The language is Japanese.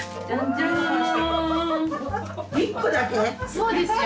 そうですよ。